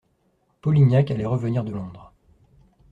Polignac allait revenir de Londres.